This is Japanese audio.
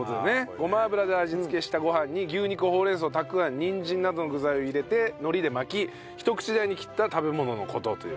ごま油で味付けしたご飯に牛肉ほうれん草たくあんにんじんなどの具材を入れてのりで巻きひと口大に切った食べ物の事という。